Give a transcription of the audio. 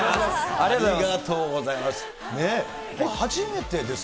ありがとうございます。